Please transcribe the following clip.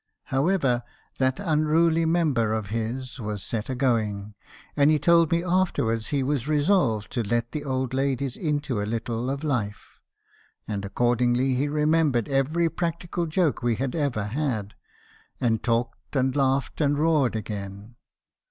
However, that unruly member of his was set a going, and he told me afterwards he was resolved to let the old ladies into a little of life; and accordingly he remembered every practical joke we had ever had, and talked and laughed , and roared again.